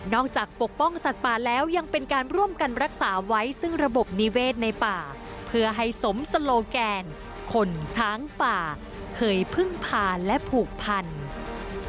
จากปกป้องสัตว์ป่าแล้วยังเป็นการร่วมกันรักษาไว้ซึ่งระบบนิเวศในป่าเพื่อให้สมสโลแกนคนช้างป่าเคยพึ่งพาและผูกพันธุ์